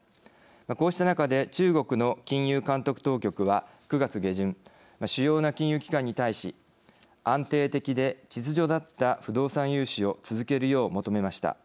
こうした中で中国の金融監督当局は、９月下旬主要な金融機関に対し安定的で秩序だった不動産融資を続けるよう求めました。